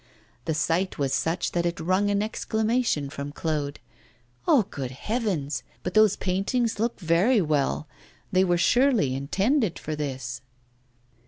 The sight was such that it wrung an exclamation from Claude: 'Ah, good heavens! But those paintings look very well they were surely intended for this.